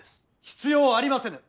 必要ありませぬ。